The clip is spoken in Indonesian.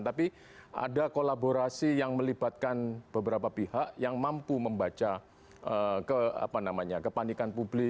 tapi ada kolaborasi yang melibatkan beberapa pihak yang mampu membaca kepanikan publik